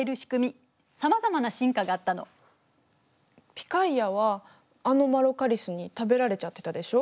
ピカイアはアノマロカリスに食べられちゃってたでしょ。